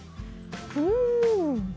うん！